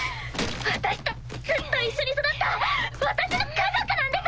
私とずっと一緒に育った私の家族なんです！